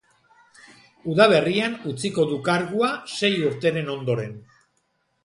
Udaberrian utziko du kargua, sei urteren ondoren.